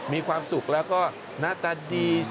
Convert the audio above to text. มีความสุขแล้วก็หน้าตาดี